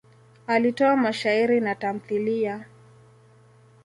Alitoa mashairi na tamthiliya.